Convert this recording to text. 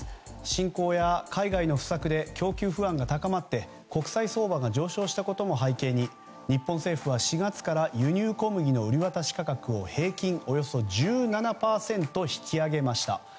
侵攻や海外の不作で供給不安が高まって国際相場が上昇したことも背景に日本政府は４月から輸入小麦の売り渡し価格を平均およそ１７％引き上げました。